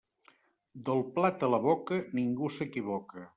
Del plat a la boca, ningú s'equivoca.